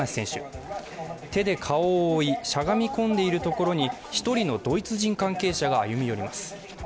手で顔を覆い、しゃがみ込んでいるところに１人のドイツ人関係者が歩み寄ります。